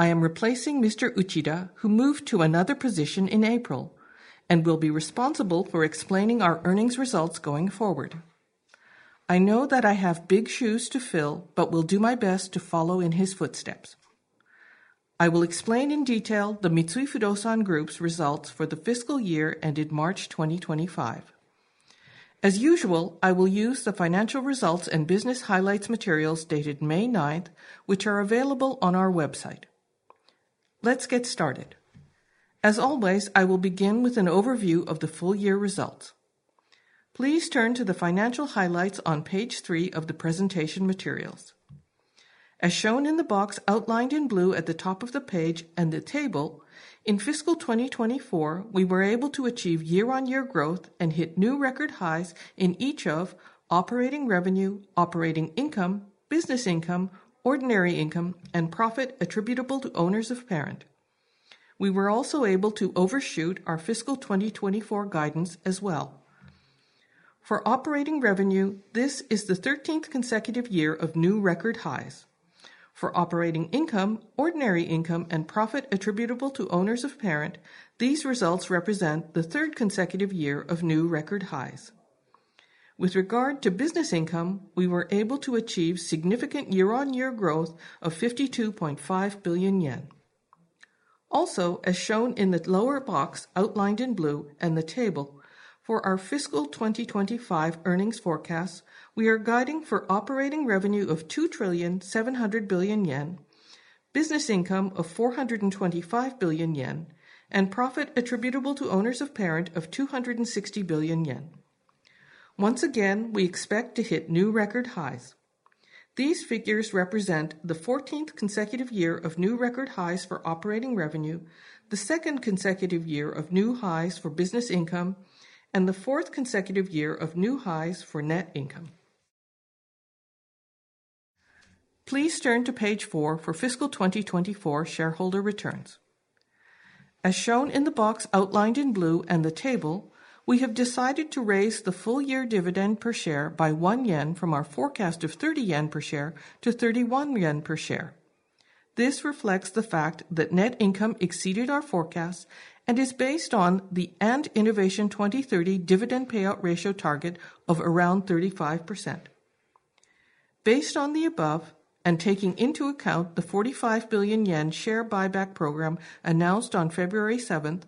I am replacing Mr. Uchida, who moved to another position in April, and will be responsible for explaining our earnings results going forward. I know that I have big shoes to fill but will do my best to follow in his footsteps. I will explain in detail the Mitsui Fudosan Group's results for the fiscal year ended March 2025. As usual, I will use the financial results and business highlights materials dated May 9th, which are available on our website. Let's get started. As always, I will begin with an overview of the full year results. Please turn to the financial highlights on page 3 of the presentation materials. As shown in the box outlined in blue at the top of the page and the table, in fiscal 2024, we were able to achieve year-on-year growth and hit new record highs in each of operating revenue, operating income, business income, ordinary income, and profit attributable to owners of parent. We were also able to overshoot our fiscal 2024 guidance as well. For operating revenue, this is the 13th consecutive year of new record highs. For operating income, ordinary income, and profit attributable to owners of parent, these results represent the third consecutive year of new record highs. With regard to business income, we were able to achieve significant year-on-year growth of 52.5 billion yen. Also, as shown in the lower box outlined in blue and the table, for our fiscal 2025 earnings forecast, we are guiding for operating revenue of 2 trillion 700 billion, business income of 425 billion yen, and profit attributable to owners of parent of 260 billion yen. Once again, we expect to hit new record highs. These figures represent the 14th consecutive year of new record highs for operating revenue, the second consecutive year of new highs for business income, and the fourth consecutive year of new highs for net income. Please turn to page 4 for fiscal 2024 shareholder returns. As shown in the box outlined in blue and the table, we have decided to raise the full year dividend per share by 1 yen from our forecast of 30 yen per share to 31 yen per share. This reflects the fact that net income exceeded our forecast and is based on the & Innovation 2030 dividend payout ratio target of around 35%. Based on the above and taking into account the 45 billion yen share buyback program announced on February 7th,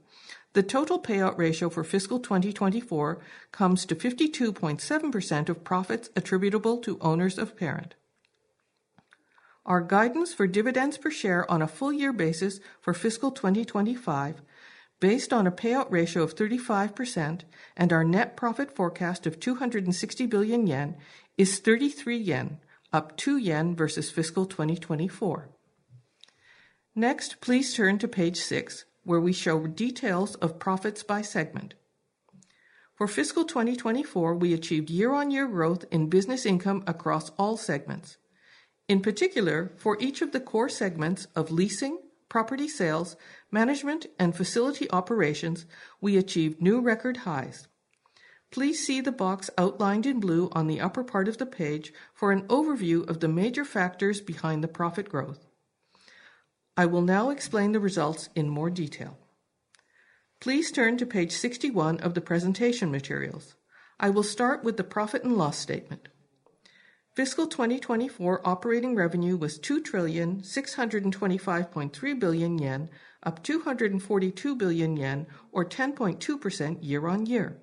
the total payout ratio for fiscal 2024 comes to 52.7% of profits attributable to owners of parent. Our guidance for dividends per share on a full year basis for fiscal 2025, based on a payout ratio of 35% and our net profit forecast of 260 billion yen, is 33 yen, up 2 yen versus fiscal 2024. Next, please turn to page 6, where we show details of profits by segment. For fiscal 2024, we achieved year-on-year growth in business income across all segments. In particular, for each of the core segments of leasing, property sales, management, and facility operations, we achieved new record highs. Please see the box outlined in blue on the upper part of the page for an overview of the major factors behind the profit growth. I will now explain the results in more detail. Please turn to page 61 of the presentation materials. I will start with the profit and loss statement. Fiscal 2024 operating revenue was 2 trillion yen 625.3 billion, up 242 billion yen, or 10.2% year-on-year.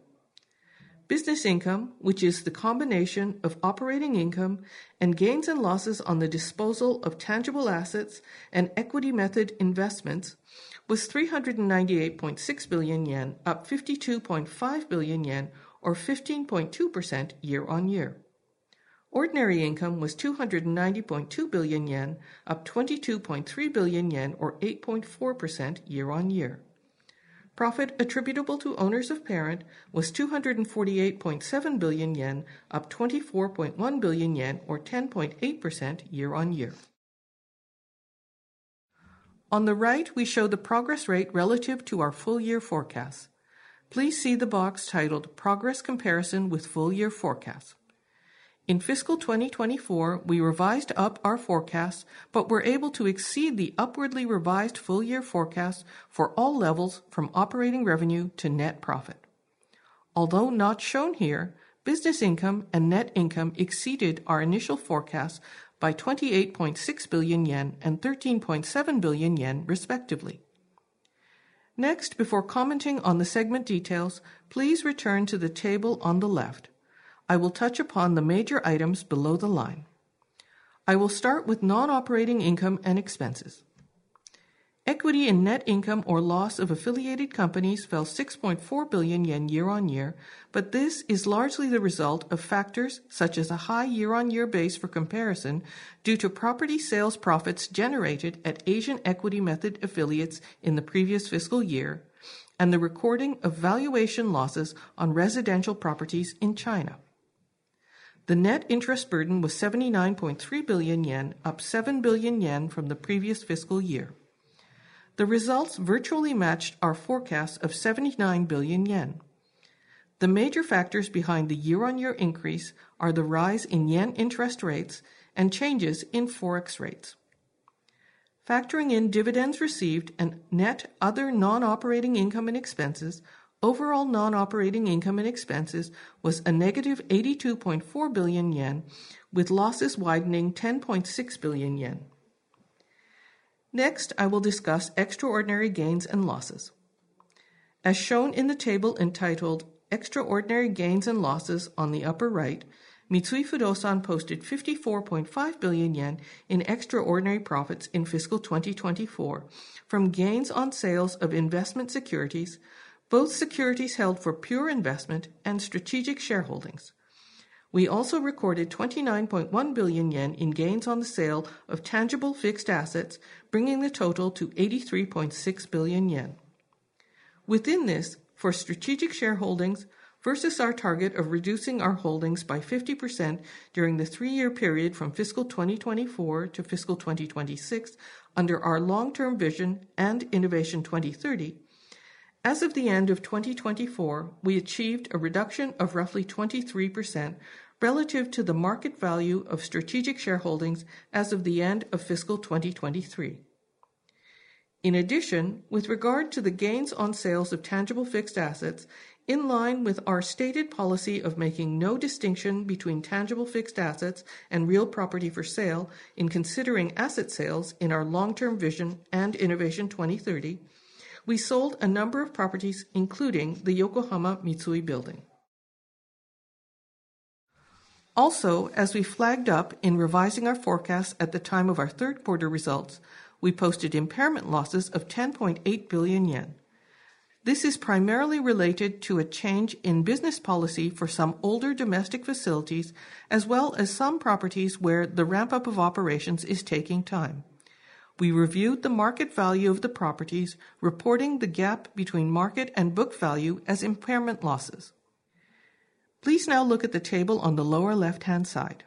Business income, which is the combination of operating income and gains and losses on the disposal of tangible assets and equity method investments, was 398.6 billion yen, up 52.5 billion yen, or 15.2% year-on-year. Ordinary income was 290.2 billion yen, up 22.3 billion yen, or 8.4% year-on-year. Profit attributable to owners of parent was 248.7 billion yen, up 24.1 billion yen, or 10.8% year-on-year. On the right, we show the progress rate relative to our full year forecast. Please see the box titled "Progress Comparison with Full Year Forecast." In fiscal 2024, we revised up our forecast but were able to exceed the upwardly revised full year forecast for all levels from operating revenue to net profit. Although not shown here, business income and net income exceeded our initial forecast by 28.6 billion yen and 13.7 billion yen, respectively. Next, before commenting on the segment details, please return to the table on the left. I will touch upon the major items below the line. I will start with non-operating income and expenses. Equity and net income or loss of affiliated companies fell 6.4 billion yen year-on-year, but this is largely the result of factors such as a high year-on-year base for comparison due to property sales profits generated at Asian equity method affiliates in the previous fiscal year and the recording of valuation losses on residential properties in China. The net interest burden was 79.3 billion yen, up 7 billion yen from the previous fiscal year. The results virtually matched our forecast of 79 billion yen. The major factors behind the year-on-year increase are the rise in yen interest rates and changes in forex rates. Factoring in dividends received and net other non-operating income and expenses, overall non-operating income and expenses was a negative 82.4 billion yen, with losses widening 10.6 billion yen. Next, I will discuss extraordinary gains and losses. As shown in the table entitled "Extraordinary Gains and Losses" on the upper right, Mitsui Fudosan posted 54.5 billion yen in extraordinary profits in fiscal 2024 from gains on sales of investment securities, both securities held for pure investment and strategic shareholdings. We also recorded 29.1 billion yen in gains on the sale of tangible fixed assets, bringing the total to 83.6 billion yen. Within this, for strategic shareholdings versus our target of reducing our holdings by 50% during the three-year period from fiscal 2024 to fiscal 2026 under our long-term vision & Innovation 2030, as of the end of 2024, we achieved a reduction of roughly 23% relative to the market value of strategic shareholdings as of the end of fiscal 2023. In addition, with regard to the gains on sales of tangible fixed assets, in line with our stated policy of making no distinction between tangible fixed assets and real property for sale in considering asset sales in our long-term vision & Innovation 2030, we sold a number of properties, including the Yokohama Mitsui Building. Also, as we flagged up in revising our forecast at the time of our third quarter results, we posted impairment losses of 10.8 billion yen. This is primarily related to a change in business policy for some older domestic facilities, as well as some properties where the ramp-up of operations is taking time. We reviewed the market value of the properties, reporting the gap between market and book value as impairment losses. Please now look at the table on the lower left-hand side.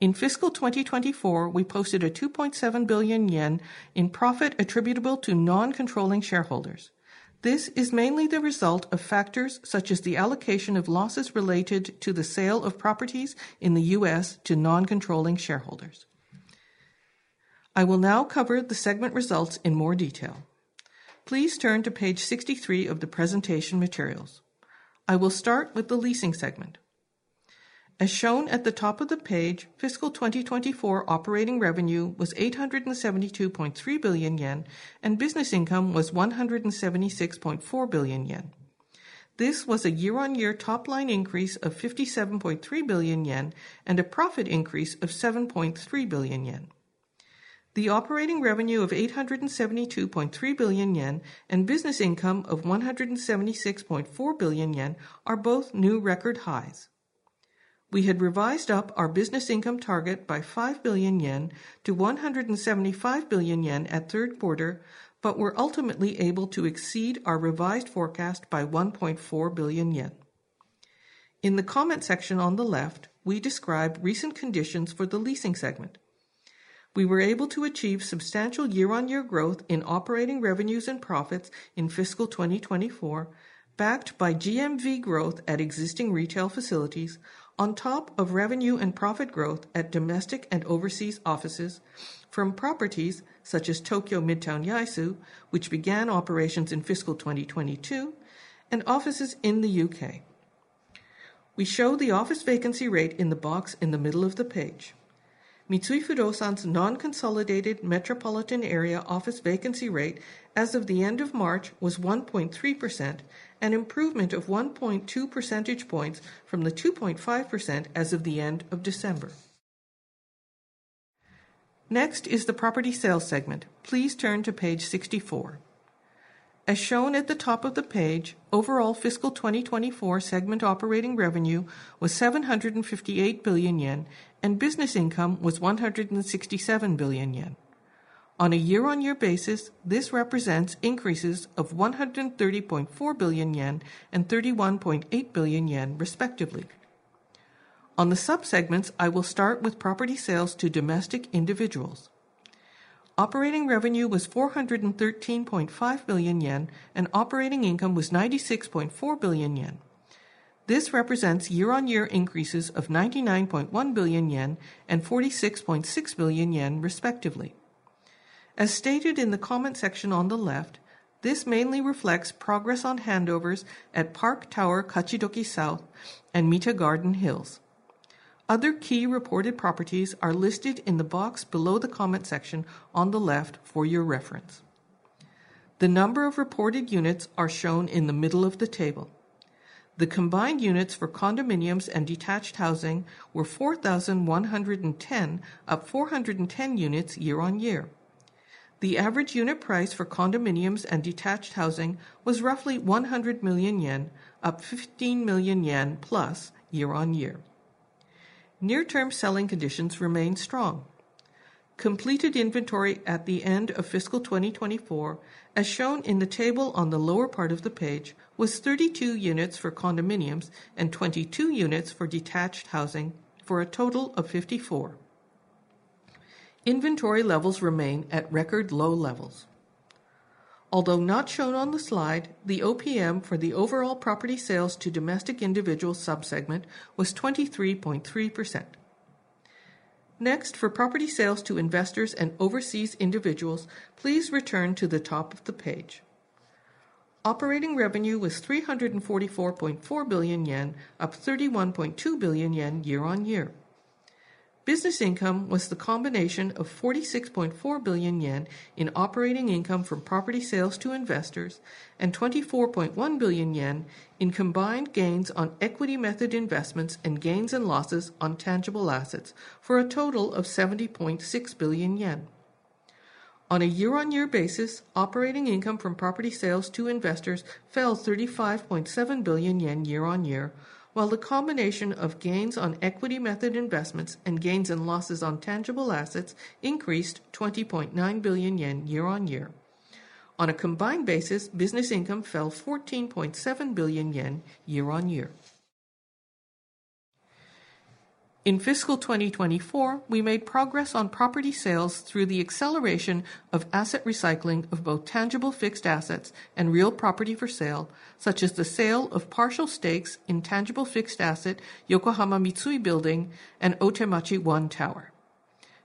In fiscal 2024, we posted a 2.7 billion yen in profit attributable to non-controlling shareholders. This is mainly the result of factors such as the allocation of losses related to the sale of properties in the U.S. to non-controlling shareholders. I will now cover the segment results in more detail. Please turn to page 63 of the presentation materials. I will start with the leasing segment. As shown at the top of the page, fiscal 2024 operating revenue was 872.3 billion yen, and business income was 176.4 billion yen. This was a year-on-year top-line increase of 57.3 billion yen and a profit increase of 7.3 billion yen. The operating revenue of 872.3 billion yen and business income of 176.4 billion yen are both new record highs. We had revised up our business income target by 5 billion-175 billion yen at third quarter, but were ultimately able to exceed our revised forecast by 1.4 billion yen. In the comment section on the left, we describe recent conditions for the leasing segment. We were able to achieve substantial year-on-year growth in operating revenues and profits in fiscal 2024, backed by GMV growth at existing retail facilities, on top of revenue and profit growth at domestic and overseas offices from properties such as Tokyo Midtown Yaesu, which began operations in fiscal 2022, and offices in the U.K. We show the office vacancy rate in the box in the middle of the page. Mitsui Fudosan's non-consolidated metropolitan area office vacancy rate as of the end of March was 1.3%, an improvement of 1.2 percentage points from the 2.5% as of the end of December. Next is the property sales segment. Please turn to page 64. As shown at the top of the page, overall fiscal 2024 segment operating revenue was 758 billion yen, and business income was 167 billion yen. On a year-on-year basis, this represents increases of 130.4 billion yen and 31.8 billion yen, respectively. On the subsegments, I will start with property sales to domestic individuals. Operating revenue was 413.5 billion yen, and operating income was 96.4 billion yen. This represents year-on-year increases of 99.1 billion yen and 46.6 billion yen, respectively. As stated in the comment section on the left, this mainly reflects progress on handovers at Park Tower Kachidoki South and Mita Garden Hills. Other key reported properties are listed in the box below the comment section on the left for your reference. The number of reported units are shown in the middle of the table. The combined units for condominiums and detached housing were 4,110, up 410 units year-on-year. The average unit price for condominiums and detached housing was roughly 100 million yen, up 15 million yen plus year-on-year. Near-term selling conditions remain strong. Completed inventory at the end of fiscal 2024, as shown in the table on the lower part of the page, was 32 units for condominiums and 22 units for detached housing, for a total of 54. Inventory levels remain at record low levels. Although not shown on the slide, the OPM for the overall property sales to domestic individuals subsegment was 23.3%. Next, for property sales to investors and overseas individuals, please return to the top of the page. Operating revenue was 344.4 billion yen, up 31.2 billion yen year-on-year. Business income was the combination of 46.4 billion yen in operating income from property sales to investors and 24.1 billion yen in combined gains on equity method investments and gains and losses on tangible assets, for a total of 70.6 billion yen. On a year-on-year basis, operating income from property sales to investors fell 35.7 billion yen year-on-year, while the combination of gains on equity method investments and gains and losses on tangible assets increased 20.9 billion yen year-on-year. On a combined basis, business income fell 14.7 billion yen year-on-year. In fiscal 2024, we made progress on property sales through the acceleration of asset recycling of both tangible fixed assets and real property for sale, such as the sale of partial stakes in tangible fixed asset Yokohama Mitsui Building and Otemachi One Tower.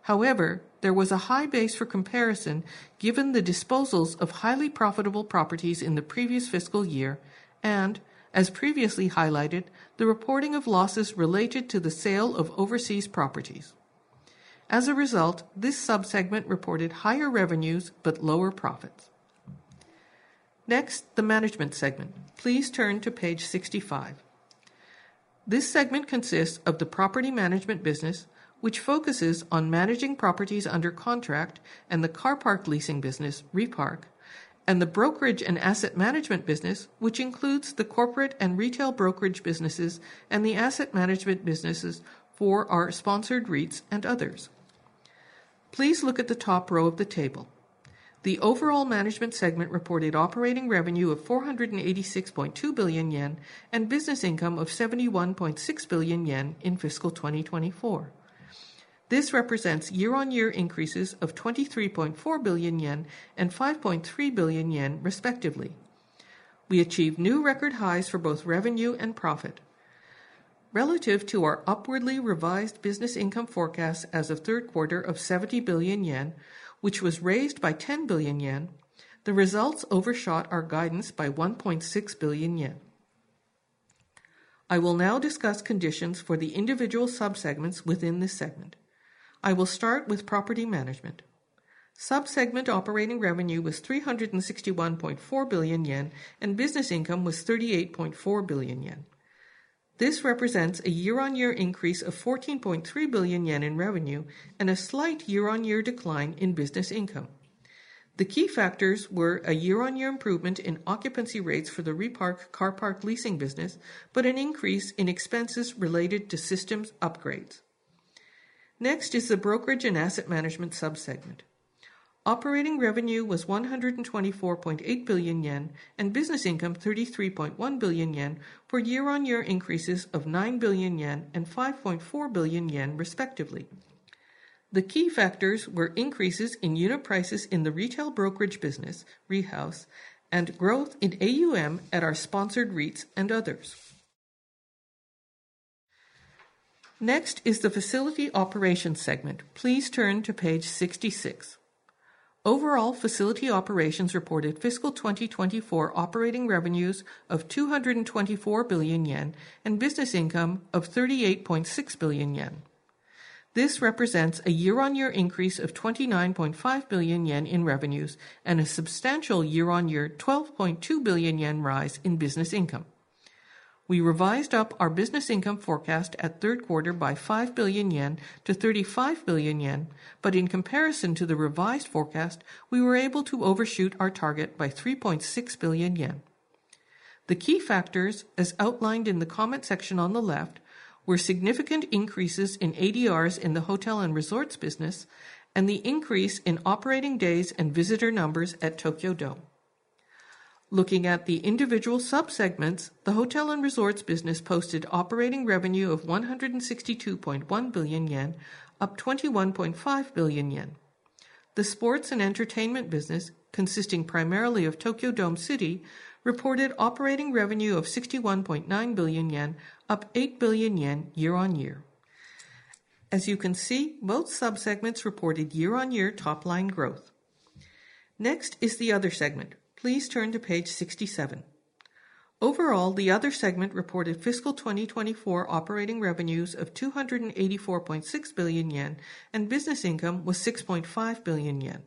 However, there was a high base for comparison given the disposals of highly profitable properties in the previous fiscal year and, as previously highlighted, the reporting of losses related to the sale of overseas properties. As a result, this subsegment reported higher revenues but lower profits. Next, the management segment. Please turn to page 65. This segment consists of the property management business, which focuses on managing properties under contract, and the car park leasing business, Repark, and the brokerage and asset management business, which includes the corporate and retail brokerage businesses and the asset management businesses for our sponsored REITs and others. Please look at the top row of the table. The overall management segment reported operating revenue of 486.2 billion yen and business income of 71.6 billion yen in fiscal 2024. This represents year-on-year increases of 23.4 billion yen and 5.3 billion yen, respectively. We achieved new record highs for both revenue and profit. Relative to our upwardly revised business income forecast as of third quarter of 70 billion yen, which was raised by 10 billion yen, the results overshot our guidance by 1.6 billion yen. I will now discuss conditions for the individual subsegments within this segment. I will start with property management. Subsegment operating revenue was 361.4 billion yen, and business income was 38.4 billion yen. This represents a year-on-year increase of 14.3 billion yen in revenue and a slight year-on-year decline in business income. The key factors were a year-on-year improvement in occupancy rates for the Repark car park leasing business, but an increase in expenses related to systems upgrades. Next is the brokerage and asset management subsegment. Operating revenue was 124.8 billion yen, and business income 33.1 billion yen for year-on-year increases of 9 billion yen and 5.4 billion yen, respectively. The key factors were increases in unit prices in the retail brokerage business, Rehouse, and growth in AUM at our sponsored REITs and others. Next is the facility operations segment. Please turn to page 66. Overall facility operations reported fiscal 2024 operating revenues of 224 billion yen and business income of 38.6 billion yen. This represents a year-on-year increase of 29.5 billion yen in revenues and a substantial year-on-year 12.2 billion yen rise in business income. We revised up our business income forecast at third quarter by 5 billion-35 billion yen, but in comparison to the revised forecast, we were able to overshoot our target by 3.6 billion yen. The key factors, as outlined in the comment section on the left, were significant increases in ADRs in the hotel and resorts business and the increase in operating days and visitor numbers at Tokyo Dome. Looking at the individual subsegments, the hotel and resorts business posted operating revenue of 162.1 billion yen, up 21.5 billion yen. The sports and entertainment business, consisting primarily of Tokyo Dome City, reported operating revenue of 61.9 billion yen, up 8 billion yen year-on-year. As you can see, both subsegments reported year-on-year top-line growth. Next is the other segment. Please turn to page 67. Overall, the other segment reported fiscal 2024 operating revenues of 284.6 billion yen, and business income was 6.5 billion yen.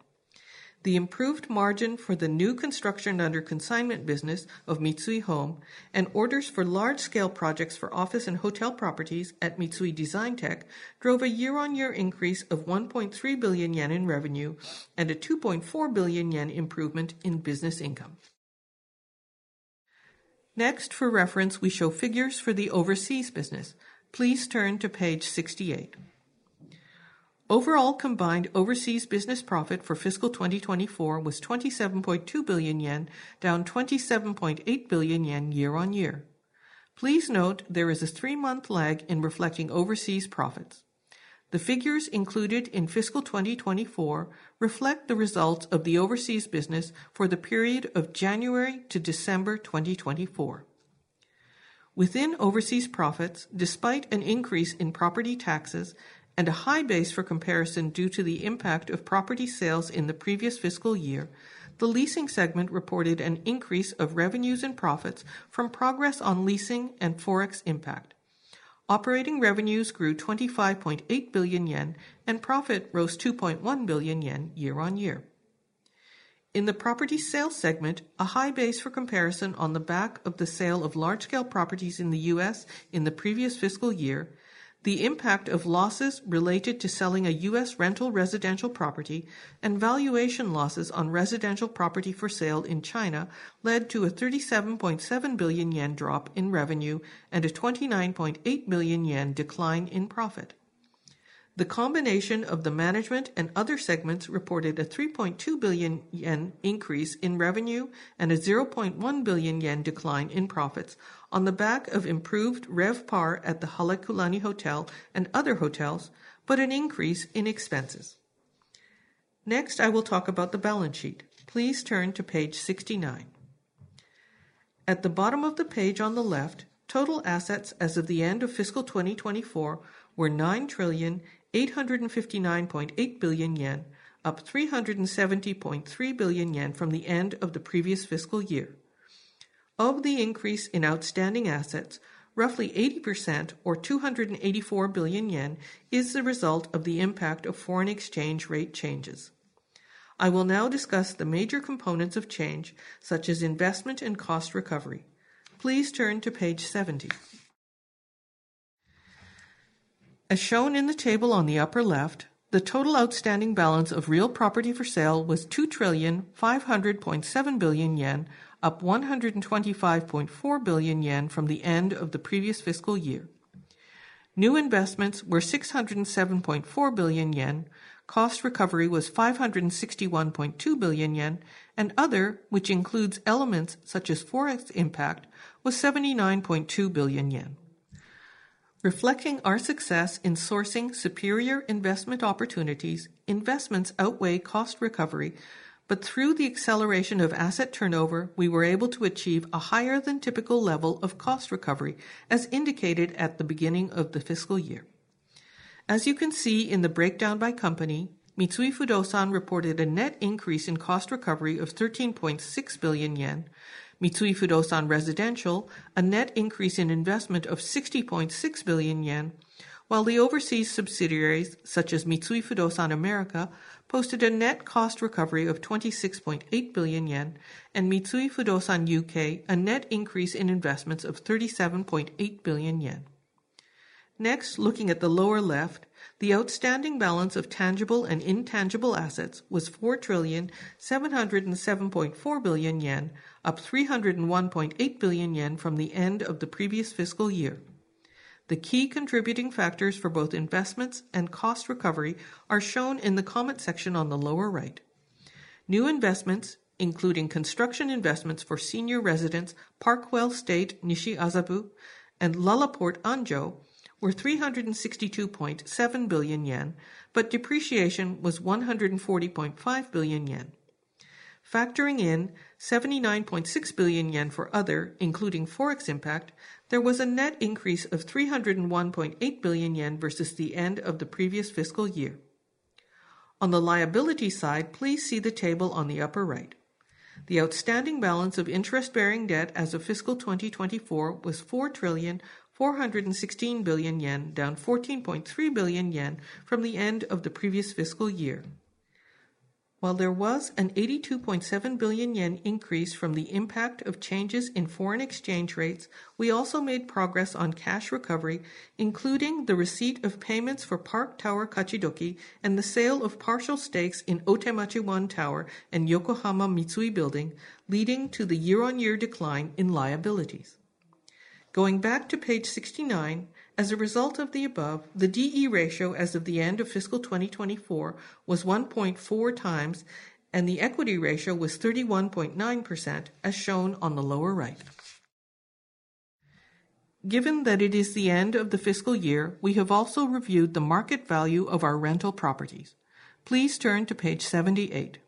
The improved margin for the new construction under consignment business of Mitsui Home and orders for large-scale projects for office and hotel properties at Mitsui Design Tech drove a year-on-year increase of 1.3 billion yen in revenue and a 2.4 billion yen improvement in business income. Next, for reference, we show figures for the overseas business. Please turn to page 68. Overall combined overseas business profit for fiscal 2024 was 27.2 billion yen, down 27.8 billion yen year-on-year. Please note there is a three-month lag in reflecting overseas profits. The figures included in fiscal 2024 reflect the results of the overseas business for the period of January to December 2024. Within overseas profits, despite an increase in property taxes and a high base for comparison due to the impact of property sales in the previous fiscal year, the leasing segment reported an increase of revenues and profits from progress on leasing and Forex impact. Operating revenues grew 25.8 billion yen, and profit rose 2.1 billion yen year-on-year. In the property sales segment, a high base for comparison on the back of the sale of large-scale properties in the U.S. in the previous fiscal year, the impact of losses related to selling a U.S. Rental residential property and valuation losses on residential property for sale in China led to a 37.7 billion yen drop in revenue and a 29.8 billion yen decline in profit. The combination of the management and other segments reported a 3.2 billion yen increase in revenue and a 0.1 billion yen decline in profits on the back of improved RevPAR at the Halekulani Hotel and other hotels, but an increase in expenses. Next, I will talk about the balance sheet. Please turn to page 69. At the bottom of the page on the left, total assets as of the end of fiscal 2024 were 9,859.8 trillion yen, up 370.3 billion yen from the end of the previous fiscal year. Of the increase in outstanding assets, roughly 80% or 284 billion yen is the result of the impact of foreign exchange rate changes. I will now discuss the major components of change, such as investment and cost recovery. Please turn to page 70. As shown in the table on the upper left, the total outstanding balance of real property for sale was 2,500.7 trillion, up 125.4 billion yen from the end of the previous fiscal year. New investments were 607.4 billion yen, cost recovery was 561.2 billion yen, and other, which includes elements such as Forex impact, was 79.2 billion yen. Reflecting our success in sourcing superior investment opportunities, investments outweigh cost recovery, but through the acceleration of asset turnover, we were able to achieve a higher than typical level of cost recovery, as indicated at the beginning of the fiscal year. As you can see in the breakdown by company, Mitsui Fudosan reported a net increase in cost recovery of 13.6 billion yen, Mitsui Fudosan Residential a net increase in investment of 60.6 billion yen, while the overseas subsidiaries, such as Mitsui Fudosan America, posted a net cost recovery of 26.8 billion yen and Mitsui Fudosan UK a net increase in investments of 37.8 billion yen. Next, looking at the lower left, the outstanding balance of tangible and intangible assets was 4,707.4 trillion, up 301.8 billion yen from the end of the previous fiscal year. The key contributing factors for both investments and cost recovery are shown in the comment section on the lower right. New investments, including construction investments for senior residents Park WellState Nishiazabu and LaLaport ANJO, were 362.7 billion yen, but depreciation was 140.5 billion yen. Factoring in 79.6 billion yen for other, including Forex impact, there was a net increase of 301.8 billion yen versus the end of the previous fiscal year. On the liability side, please see the table on the upper right. The outstanding balance of interest-bearing debt as of fiscal 2024 was 4,416 billion yen, down 14.3 billion yen from the end of the previous fiscal year. While there was a 82.7 billion yen increase from the impact of changes in foreign exchange rates, we also made progress on cash recovery, including the receipt of payments for Park Tower Kachidoki and the sale of partial stakes in Otemachi One Tower and Yokohama Mitsui Building, leading to the year-on-year decline in liabilities. Going back to page 69, as a result of the above, the D/E ratio as of the end of fiscal 2024 was 1.4x, and the equity ratio was 31.9%, as shown on the lower right. Given that it is the end of the fiscal year, we have also reviewed the market value of our rental properties. Please turn to page 78.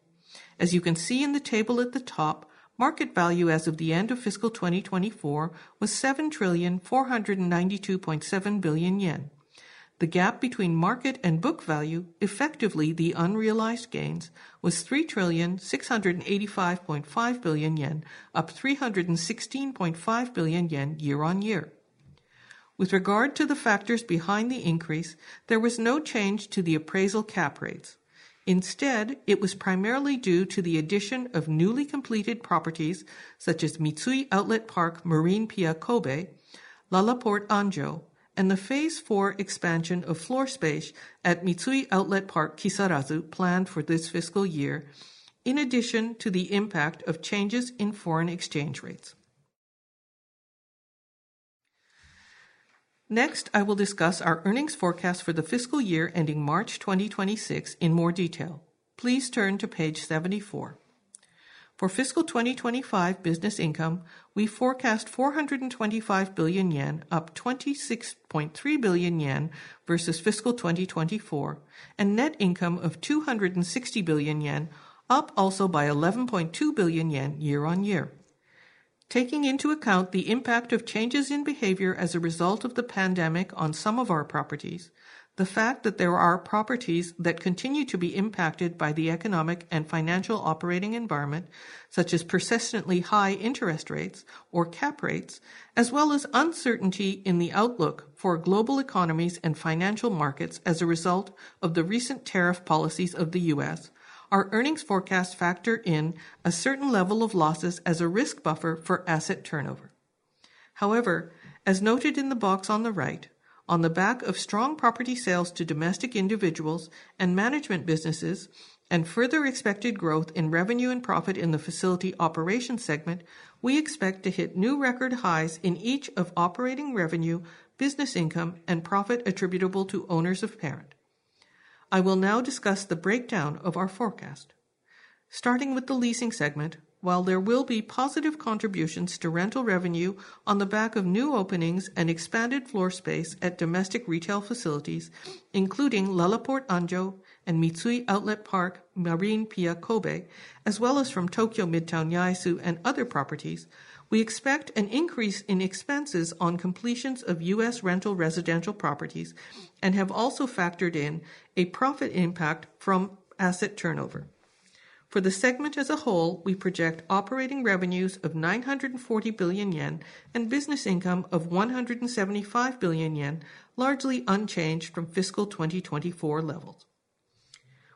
As you can see in the table at the top, market value as of the end of fiscal 2024 was 7,492.7 trillion yen. The gap between market and book value, effectively the unrealized gains, was 3,685.5 trillion yen, up 316.5 billion yen year-on-year. With regard to the factors behind the increase, there was no change to the appraisal cap rates. Instead, it was primarily due to the addition of newly completed properties such as Mitsui Outlet Park Marinpia Kobe, LaLaport ANJO, and the phase four expansion of floor space at Mitsui Outlet Park Kisarazu planned for this fiscal year, in addition to the impact of changes in foreign exchange rates. Next, I will discuss our earnings forecast for the fiscal year ending March 2026 in more detail. Please turn to page 74. For fiscal 2025 business income, we forecast 425 billion yen, up 26.3 billion yen versus fiscal 2024, and net income of 260 billion yen, up also by 11.2 billion yen year-on-year. Taking into account the impact of changes in behavior as a result of the pandemic on some of our properties, the fact that there are properties that continue to be impacted by the economic and financial operating environment, such as persistently high interest rates or cap rates, as well as uncertainty in the outlook for global economies and financial markets as a result of the recent tariff policies of the U.S., our earnings forecasts factor in a certain level of losses as a risk buffer for asset turnover. However, as noted in the box on the right, on the back of strong property sales to domestic individuals and management businesses, and further expected growth in revenue and profit in the facility operations segment, we expect to hit new record highs in each of operating revenue, business income, and profit attributable to owners of parent. I will now discuss the breakdown of our forecast. Starting with the leasing segment, while there will be positive contributions to rental revenue on the back of new openings and expanded floor space at domestic retail facilities, including LaLaport ANJO and Mitsui Outlet Park Marinpia Kobe, as well as from Tokyo Midtown Yaesu and other properties, we expect an increase in expenses on completions of U.S. rental residential properties and have also factored in a profit impact from asset turnover. For the segment as a whole, we project operating revenues of 940 billion yen and business income of 175 billion yen, largely unchanged from fiscal 2024 levels.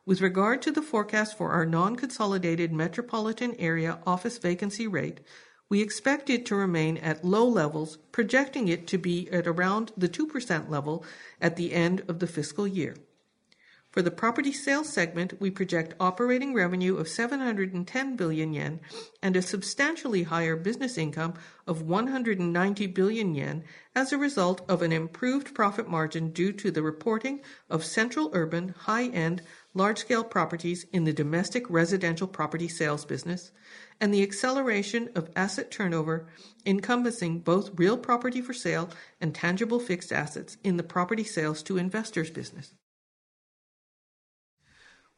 With regard to the forecast for our non-consolidated metropolitan area office vacancy rate, we expect it to remain at low levels, projecting it to be at around the 2% level at the end of the fiscal year. For the property sales segment, we project operating revenue of 710 billion yen and a substantially higher business income of 190 billion yen as a result of an improved profit margin due to the reporting of central urban, high-end, large-scale properties in the domestic residential property sales business and the acceleration of asset turnover encompassing both real property for sale and tangible fixed assets in the property sales to investors business.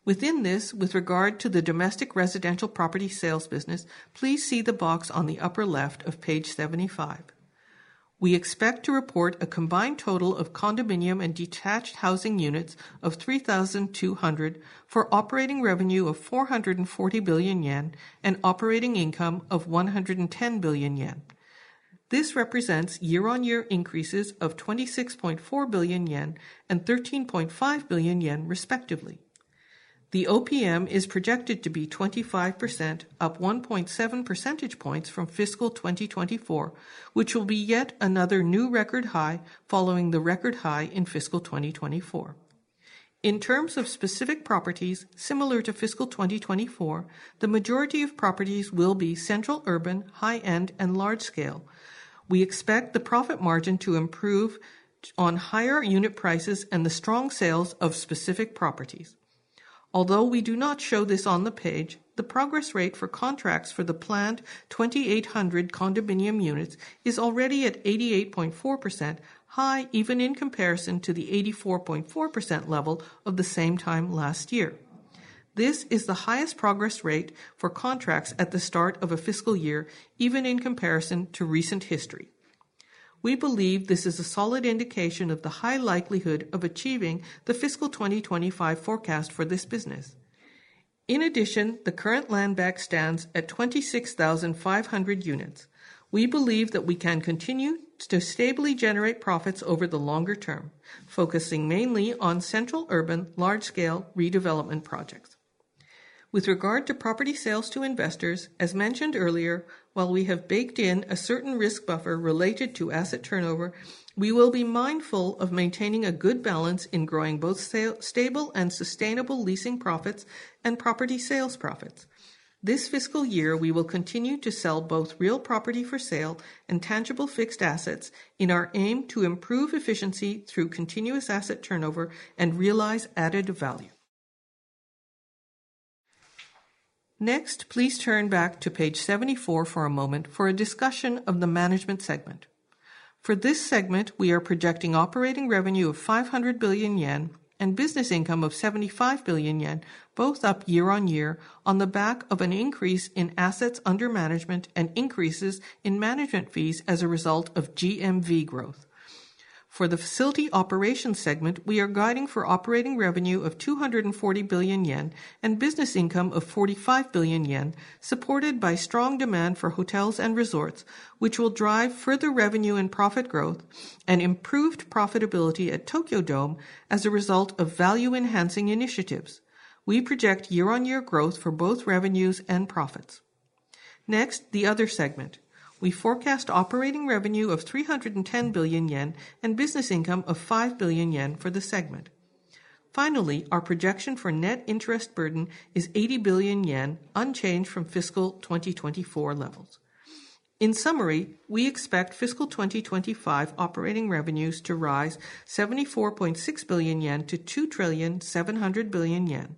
Within this, with regard to the domestic residential property sales business, please see the box on the upper left of page 75. We expect to report a combined total of condominium and detached housing units of 3,200 for operating revenue of 440 billion yen and operating income of 110 billion yen. This represents year-on-year increases of 26.4 billion yen and 13.5 billion yen, respectively. The OPM is projected to be 25%, up 1.7 percentage points from fiscal 2024, which will be yet another new record high following the record high in fiscal 2024. In terms of specific properties, similar to fiscal 2024, the majority of properties will be central urban, high-end, and large-scale. We expect the profit margin to improve on higher unit prices and the strong sales of specific properties. Although we do not show this on the page, the progress rate for contracts for the planned 2,800 condominium units is already at 88.4%, high even in comparison to the 84.4% level of the same time last year. This is the highest progress rate for contracts at the start of a fiscal year, even in comparison to recent history. We believe this is a solid indication of the high likelihood of achieving the fiscal 2025 forecast for this business. In addition, the current land bank stands at 26,500 units. We believe that we can continue to stably generate profits over the longer term, focusing mainly on central urban, large-scale redevelopment projects. With regard to property sales to investors, as mentioned earlier, while we have baked in a certain risk buffer related to asset turnover, we will be mindful of maintaining a good balance in growing both stable and sustainable leasing profits and property sales profits. This fiscal year, we will continue to sell both real property for sale and tangible fixed assets in our aim to improve efficiency through continuous asset turnover and realize added value. Next, please turn back to page 74 for a moment for a discussion of the management segment. For this segment, we are projecting operating revenue of 500 billion yen and business income of 75 billion yen, both up year-on-year on the back of an increase in assets under management and increases in management fees as a result of GMV growth. For the facility operations segment, we are guiding for operating revenue of 240 billion yen and business income of 45 billion yen, supported by strong demand for hotels and resorts, which will drive further revenue and profit growth and improved profitability at Tokyo Dome as a result of value-enhancing initiatives. We project year-on-year growth for both revenues and profits. Next, the other segment. We forecast operating revenue of 310 billion yen and business income of 5 billion yen for the segment. Finally, our projection for net interest burden is 80 billion yen, unchanged from fiscal 2024 levels. In summary, we expect fiscal 2025 operating revenues to rise 74.6 billion-2,700 trillion yen.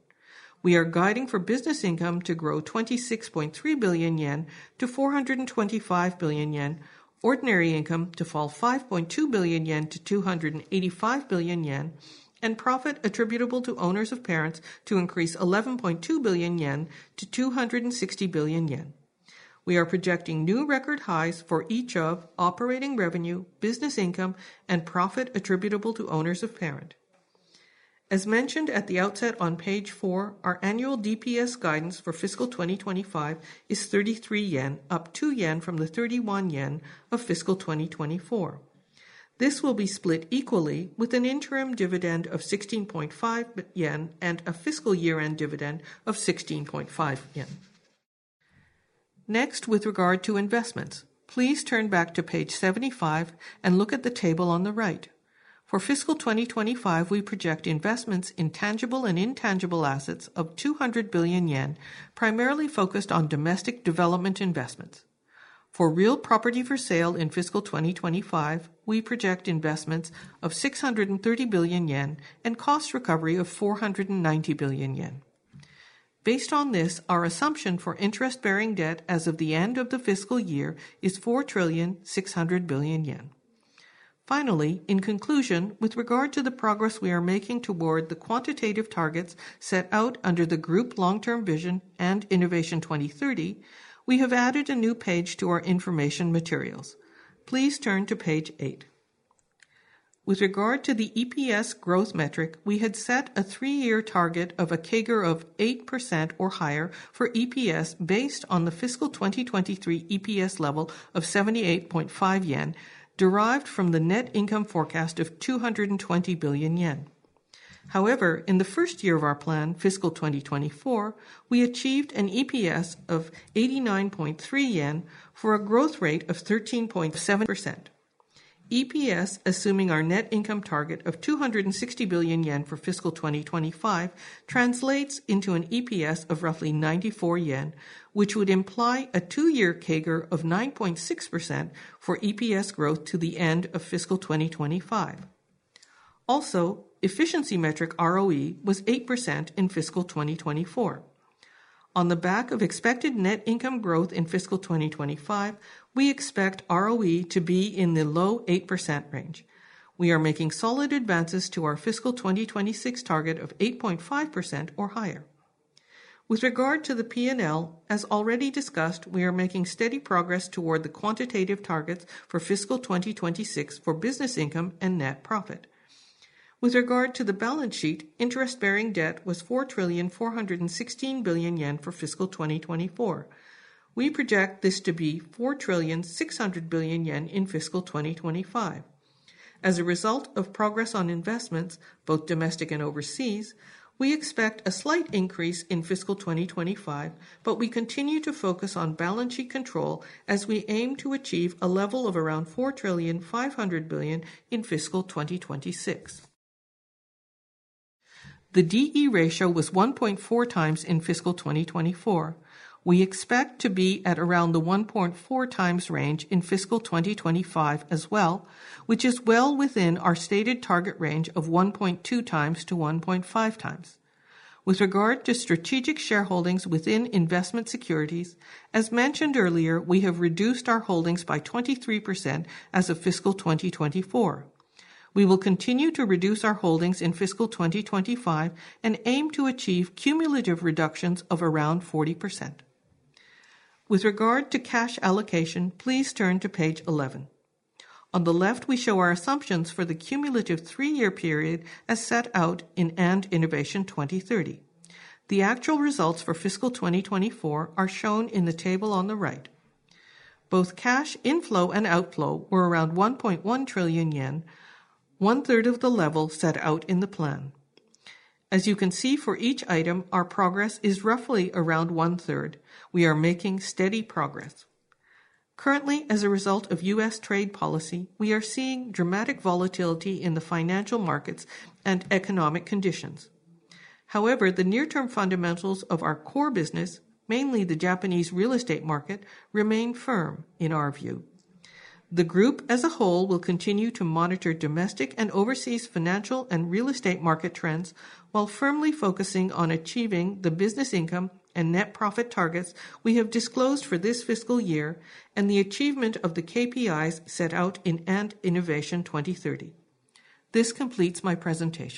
We are guiding for business income to grow 26.3 billion-425 billion yen, ordinary income to fall 5.2 billion-285 billion yen, and profit attributable to owners of parents to increase 11.2 billion-260 billion yen. We are projecting new record highs for each of operating revenue, business income, and profit attributable to owners of parent. As mentioned at the outset on page 4, our annual DPS guidance for fiscal 2025 is 33 yen, up 2 yen from the 31 yen of fiscal 2024. This will be split equally with an interim dividend of 16.5 yen and a fiscal year-end dividend of 16.5 yen. Next, with regard to investments, please turn back to page 75 and look at the table on the right. For fiscal 2025, we project investments in tangible and intangible assets of 200 billion yen, primarily focused on domestic development investments. For real property for sale in fiscal 2025, we project investments of 630 billion yen and cost recovery of 490 billion yen. Based on this, our assumption for interest-bearing debt as of the end of the fiscal year is 4,600 billion yen. Finally, in conclusion, with regard to the progress we are making toward the quantitative targets set out under the Group Long-Term Vision & Innovation 2030, we have added a new page to our information materials. Please turn to page 8. With regard to the EPS growth metric, we had set a three-year target of a CAGR of 8% or higher for EPS based on the fiscal 2023 EPS level of 78.5 yen derived from the net income forecast of 220 billion yen. However, in the first year of our plan, fiscal 2024, we achieved an EPS of 89.3 yen for a growth rate of 13.7%. EPS, assuming our net income target of 260 billion yen for fiscal 2025, translates into an EPS of roughly 94 yen, which would imply a two-year CAGR of 9.6% for EPS growth to the end of fiscal 2025. Also, efficiency metric ROE was 8% in fiscal 2024. On the back of expected net income growth in fiscal 2025, we expect ROE to be in the low 8% range. We are making solid advances to our fiscal 2026 target of 8.5% or higher. With regard to the P&L, as already discussed, we are making steady progress toward the quantitative targets for fiscal 2026 for business income and net profit. With regard to the balance sheet, interest-bearing debt was 4,416 trillion for fiscal 2024. We project this to be 4,600 trillion in fiscal 2025. As a result of progress on investments, both domestic and overseas, we expect a slight increase in fiscal 2025, but we continue to focus on balance sheet control as we aim to achieve a level of around 4,500 trillion in fiscal 2026. The D/E ratio was 1.4x in fiscal 2024. We expect to be at around the 1.4x range in fiscal 2025 as well, which is well within our stated target range of 1.2x-1.5x. With regard to strategic shareholdings within investment securities, as mentioned earlier, we have reduced our holdings by 23% as of fiscal 2024. We will continue to reduce our holdings in fiscal 2025 and aim to achieve cumulative reductions of around 40%. With regard to cash allocation, please turn to page 11. On the left, we show our assumptions for the cumulative three-year period as set out in & Innovation 2030. The actual results for fiscal 2024 are shown in the table on the right. Both cash inflow and outflow were around 1.1 trillion yen, 1/3 of the level set out in the plan. As you can see, for each item, our progress is roughly around 1/3. We are making steady progress. Currently, as a result of U.S. trade policy, we are seeing dramatic volatility in the financial markets and economic conditions. However, the near-term fundamentals of our core business, mainly the Japanese real estate market, remain firm in our view. The group as a whole will continue to monitor domestic and overseas financial and real estate market trends while firmly focusing on achieving the business income and net profit targets we have disclosed for this fiscal year and the achievement of the KPIs set out in & Innovation 2030. This completes my presentation.